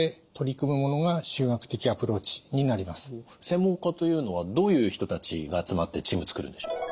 専門家というのはどういう人たちが集まってチーム作るんでしょう？